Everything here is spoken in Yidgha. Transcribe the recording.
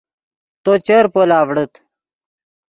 تو چر پول آڤڑیت